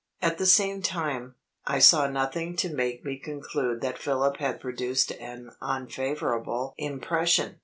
At the same time, I saw nothing to make me conclude that Philip had produced an unfavorable impression.